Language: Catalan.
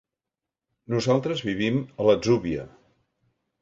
Nosaltres vivim a l'Atzúbia.